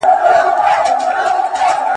• ښځي ته د زړه حال مه وايه.